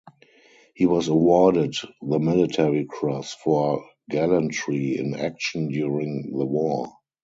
He was awarded the Military Cross for gallantry in action during the war.